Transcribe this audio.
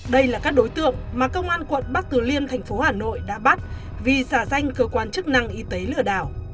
đây là các đối tượng mà công an quận bắc từ liêm thành phố hà nội đã bắt vì giả danh cơ quan chức năng y tế lừa đảo